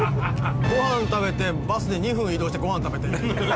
ごはん食べてバスで２分移動してごはん食べてっていう。